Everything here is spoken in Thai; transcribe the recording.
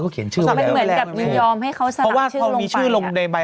เขาเขียนชื่อไว้แล้วเหมือนกับยินยอมให้เขาสลักชื่อลงไปเพราะว่าเขามีชื่อลงในใบอ่ะ